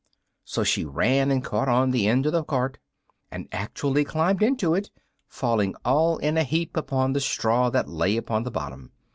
So she ran and caught on the end of the cart, and actually climbed into it, falling all in a heap upon the straw that lay upon the bottom.